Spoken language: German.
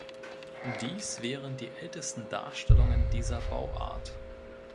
Dies wären die ältesten Darstellungen dieser Bauart.